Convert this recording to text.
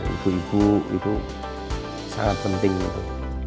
ibu ibu itu sangat penting gitu